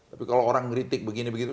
tapi kalau orang ngeritik begini begitu